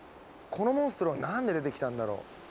このモンストロはなんで出てきたんだろう？